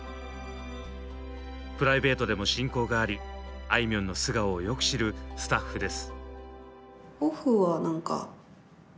プライベートでも親交がありあいみょんの素顔をよく知るスタッフです。